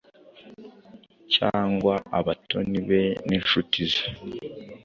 cyangwa abatoni be n’inshuti ze.